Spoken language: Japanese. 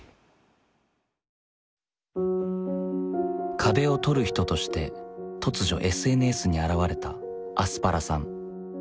「壁を撮る人」として突如ＳＮＳに現れた「アスパラ」さん。